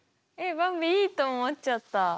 えばんびいいと思っちゃった。